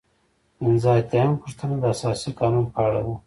پنځه اتیا یمه پوښتنه د اساسي قانون په اړه ده.